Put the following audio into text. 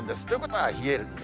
ということは冷える。